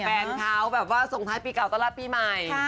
แฟนเขาแบบว่าส่งท้ายปีเก่าต้อนรับปีใหม่